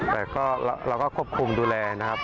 แต่เราก็ควบคุมดูแลนะครับ